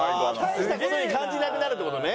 大した事に感じなくなるって事ね。